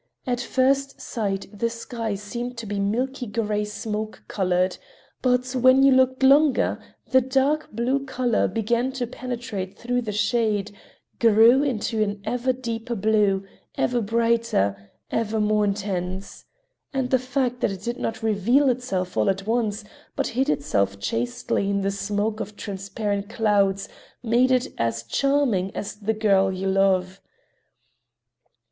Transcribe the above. At first sight the sky seemed to be milky gray—smoke colored—but when you looked longer the dark blue color began to penetrate through the shade, grew into an ever deeper blue—ever brighter, ever more intense. And the fact that it did not reveal itself all at once, but hid itself chastely in the smoke of transparent clouds, made it as charming as the girl you love.